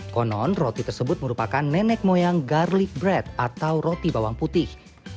konon roti tersebut merupakan nenek moyang garlic bread atau roti bawang putih